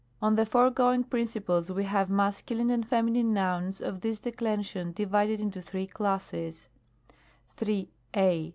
On the foregoing principles we have Masc. and Fem. nouns of this declension divided into three classes : 3. I.